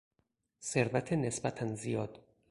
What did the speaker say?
ثروت نسبتا زیاد